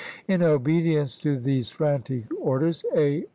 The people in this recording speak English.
In obedience to these p. 192. ' frantic orders A.